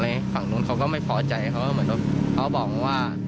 ทางนู้นเขาก็ไม่พอใจเขาบอกนั้นว่า